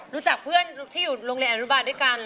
รู้จักเพื่อนที่อยู่โรงเรียนอารุบัน